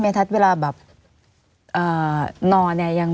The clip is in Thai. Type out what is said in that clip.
ไม่มีครับไม่มีครับ